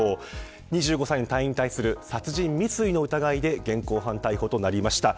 ２５歳の隊員に対する殺人未遂の疑いで現行犯逮捕となりました。